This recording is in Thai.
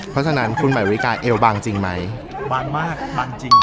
เพราะฉะนั้นคุณหมายริกาเอวบางจริงไหมบางมากบางจริง